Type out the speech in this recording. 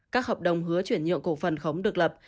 các hợp đồng hứa chuyển nhượng cổ phần khống được lập